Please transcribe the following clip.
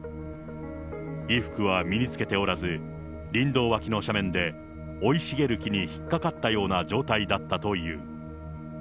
衣服は身に着けておらず、林道脇の斜面で、生い茂る木に引っ掛かったような状態だったという。